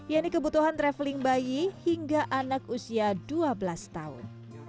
yaitu kebutuhan traveling bayi hingga anak usia dua belas tahun